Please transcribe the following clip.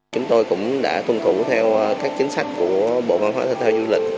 chúng tôi cũng đã tuân thủ theo các chính sách của bộ văn hóa thế giới thế giới du lịch